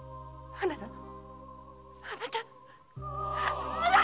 あなたぁ‼